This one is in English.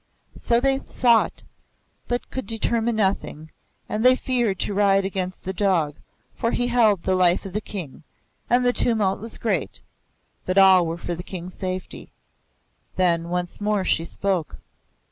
So they sought, but could determine nothing, and they feared to ride against the dog, for he held the life of the King; and the tumult was great, but all were for the King's safety. Then once more she spoke.